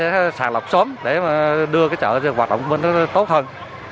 để mà chúng ta sẽ sản lập sớm để mà đưa cái chợ vào động nó tốt hơn